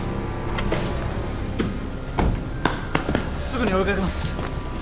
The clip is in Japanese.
すぐに追い掛けます。